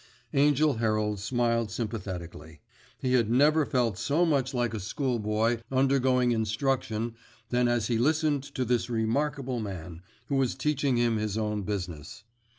Angell Herald smiled sympathetically. He had never felt so much like a schoolboy undergoing instruction than as he listened to this remarkable man, who was teaching him his own business.